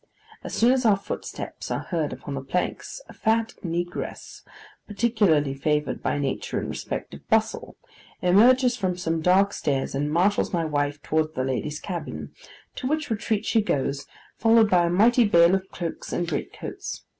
As soon as our footsteps are heard upon the planks, a fat negress, particularly favoured by nature in respect of bustle, emerges from some dark stairs, and marshals my wife towards the ladies' cabin, to which retreat she goes, followed by a mighty bale of cloaks and great coats.